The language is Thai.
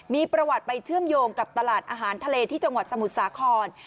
มีประวัติไปเชื่อมโยงกับตลาดอาหารทะเลที่จังหวัดสมุทรสาคร